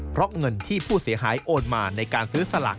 เพราะเงินที่ผู้เสียหายโอนมาในการซื้อสลาก